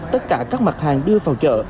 tất cả các mặt hàng đưa vào chợ